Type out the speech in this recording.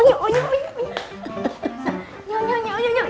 yuk yuk yuk